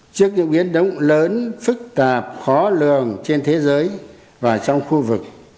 trước những biến động lớn phức tạp khó lường trên thế giới và trong khu vực